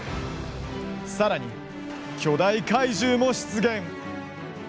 さらに、巨大怪獣も出現。